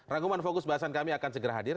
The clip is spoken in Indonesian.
rangkuman fokus bahasan kami akan segera hadir